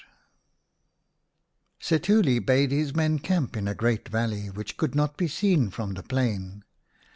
Setuli bade his men camp in a great valley which could not be seen from the plain.